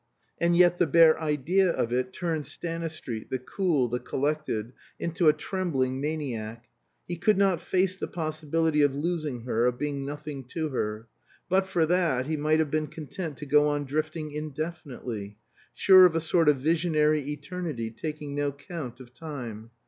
And yet the bare idea of it turned Stanistreet, the cool, the collected, into a trembling maniac. He could not face the possibility of losing her, of being nothing to her. But for that he might have been content to go on drifting indefinitely, sure of a sort of visionary eternity, taking no count of time.